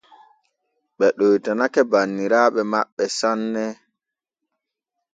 Ɓe ɗoytanake banniraaɓe maɓɓe sanne.